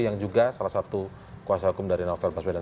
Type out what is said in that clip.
yang juga salah satu kuasa hukum dari novel baswedan